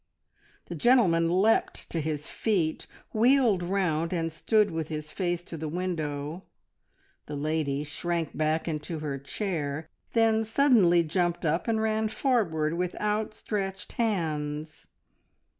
The gentleman leapt to his feet, wheeled round and stood with his face to the window; the lady shrank back into her chair, then suddenly jumped up and ran forward with outstretched hands.